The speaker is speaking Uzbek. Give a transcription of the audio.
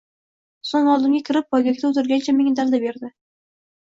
So`ng oldimga kirib, poygakda o`tirganicha menga dalda berdi